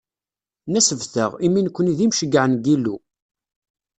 Nasbet-aɣ, imi nekni d imceyyɛen n Yillu.